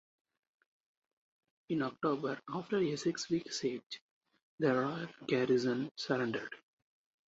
In October, after a six-week siege, the royal garrison surrendered.